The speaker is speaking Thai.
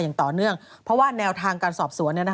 อย่างต่อเนื่องเพราะว่าแนวทางการสอบสวน